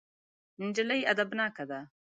نجلۍ ادبناکه ده.